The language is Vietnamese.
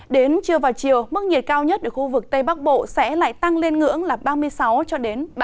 đến trưa vào chiều mức nhiệt cao nhất ở khu vực tây bắc bộ sẽ lại tăng lên ngưỡng là ba mươi sáu ba mươi bảy độ